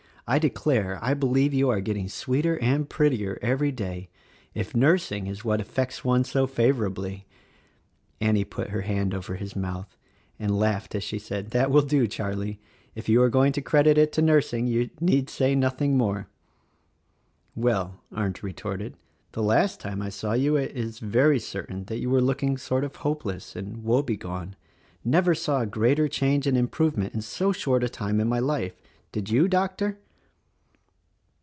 I declare I believe you are getting sweeter and prettier every day. If nursing is what affects one so favorably —" Annie put her hand over his mouth and laughed as she said, "That will do, Charlie — if you are going to credit it to nursing you need say nothing more." "Well," Arndt retorted, "The last time I saw you it is very certain that you were looking sort of hopeless and woebegone; — never saw a greater change and improve ment in so short a time in my life, — did you, Doctor?"